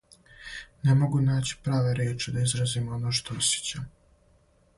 Не могу наћи праве ријечи да изразим оно што осјећам.